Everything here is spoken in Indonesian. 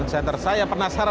thank you pak deddy